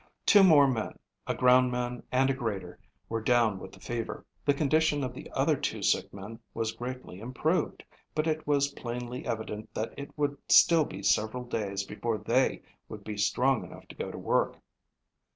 Two more men, a ground man and a grader, were down with the fever. The condition of the other two sick men was greatly improved, but it was plainly evident that it would still be several days before they would be strong enough to go to work.